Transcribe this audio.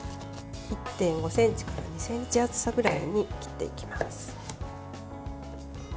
１．５ｃｍから２ｃｍ厚さぐらいに切っていきます。